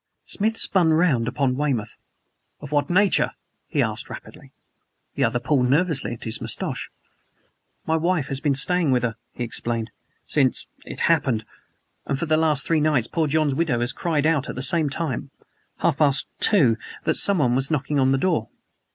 Smith spun round upon Weymouth. "Of what nature?" he asked rapidly. The other pulled nervously at his mustache. "My wife has been staying with her," he explained, "since it happened; and for the last three nights poor John's widow has cried out at the same time half past two that someone was knocking on the door."